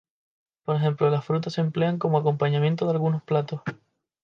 Por ejemplo, las frutas se emplean como acompañamiento de algunos platos.